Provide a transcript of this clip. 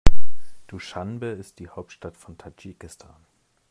Duschanbe ist die Hauptstadt von Tadschikistan.